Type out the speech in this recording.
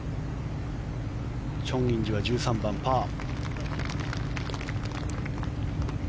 チョン・インジは１３番、パー。